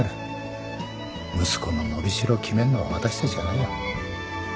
息子の伸び代を決めるのは私たちじゃないよ。